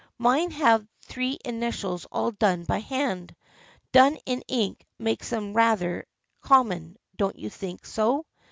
Mine have three initials all done by hand. Done in ink makes them rather common, don't you think so